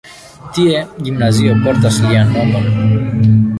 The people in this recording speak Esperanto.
Tie gimnazio portas lian nomon.